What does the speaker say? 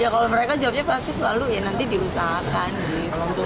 ya kalau mereka jawabnya pasti selalu ya nanti diutakan gitu